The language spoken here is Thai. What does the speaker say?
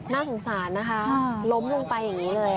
น่าสงสารนะคะล้มลงไปอย่างนี้เลย